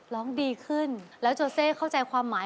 ร้องดีขึ้นแล้วโจเซเข้าใจความหมาย